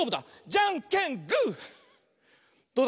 じゃんけんぽい！